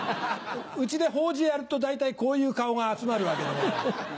うちで法事やると大体こういう顔が集まるわけでございます。